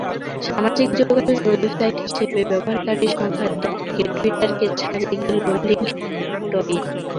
সামাজিক যোগাযোগের ওয়েবসাইট হিসেবে ব্যবহারকারীর সংখ্যার দিক থেকে টুইটারকে ছাড়িয়ে গেল লিঙ্কডইন।